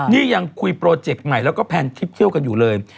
นี่ยังคุยโปรเจกต์ใหม่แล้วก็แพนทริปเที่ยวกันอยู่เลย